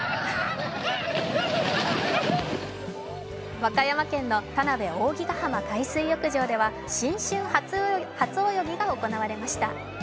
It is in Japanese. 和歌山県の田辺扇ヶ浜海水浴場では新春初泳ぎが行われました。